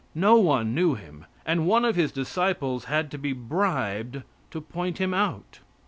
No one knew Him, and one of His disciples had to be bribed to point Him out.